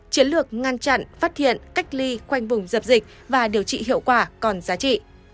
chiến lược ngăn chặn phát hiện cách ly khoanh vùng dập dịch và điều trị hiệu quả còn giá trị